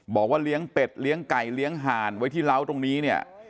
บอกว่าเลี้ยงเป็ดเลี้ยงไก่เลี้ยงห่านไว้ที่เล้าตรงนี้เนี่ย